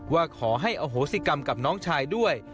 ว่าขอให้อโหสิกรรมกับน้องชายด้วย